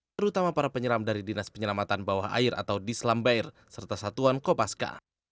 terutama para penyeram dari dinas penyelamatan bawah air atau dislambair serta satuan kopaska